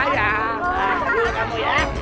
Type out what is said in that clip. iya harus lihat